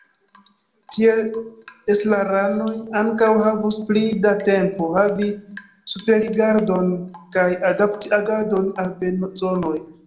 Tiel estraranoj ankaŭ havus pli da tempo, havi superrigardon kaj adapti agadon al bezonoj.